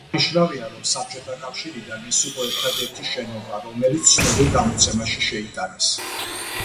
აღსანიშნავია რომ საბჭოთა კავშირიდან ეს იყო ერთადერთი შენობა, რომელიც ცნობილ გამოცემაში შეიტანეს.